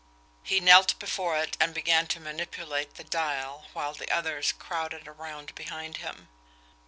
He knelt before it, and began to manipulate the dial; while the others crowded around behind him.